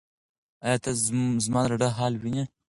ایا ته زما د زړه حال وینې؟